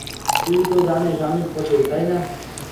তুই তো জানিস আমি ফতুর, তাই না?